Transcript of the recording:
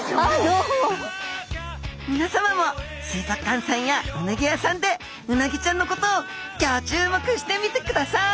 みなさまも水族館さんやうなぎ屋さんでうなぎちゃんのことをギョ注目してみてください！